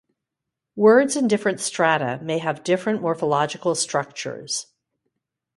Words in different strata may have different morphological structures.